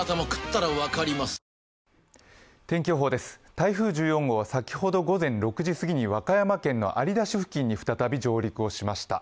台風１４号は先ほど和歌山県の有田市付近に再び上陸しました。